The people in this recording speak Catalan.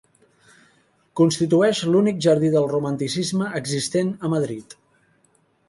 Constitueix l'únic jardí del Romanticisme existent a Madrid.